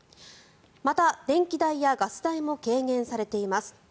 また、電気代やガス代も軽減されています。